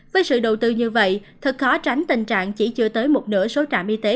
với sự đầu tư như vậy thật khó tránh tình trạng chỉ chưa tới một nửa số trạm y tế